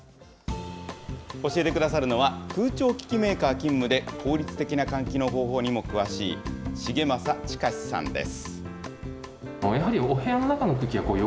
教えてくださるのは、空調機器メーカー勤務で、効率的な換気の方法にも詳しい、重政周之さんです。